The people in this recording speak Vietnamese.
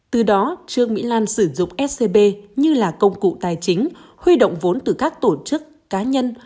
từ đó trương mỹ lan sử dụng scb như là công cụ tài chính huy động vốn từ các tổ chức cá nhân